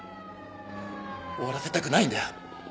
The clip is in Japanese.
終わらせたくないんだよ。